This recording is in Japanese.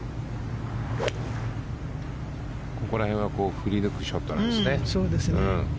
ここら辺は振り抜くショットですね